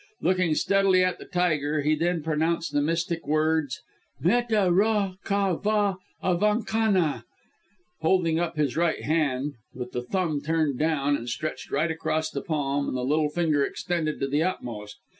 Looking steadily at the tiger he then pronounced the mystic words "Meta ra ka va avakana," holding up his right hand, with the thumb turned down and stretched right across the palm, and the little finger extended to the utmost.